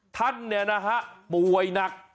ท่านเนี่ยนะฮะป่วยหนัก